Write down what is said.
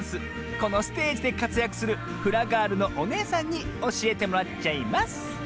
このステージでかつやくするフラガールのおねえさんにおしえてもらっちゃいます